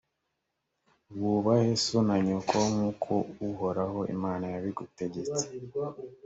wubahe so na nyoko nk’uko uhoraho imana yabigutegetse,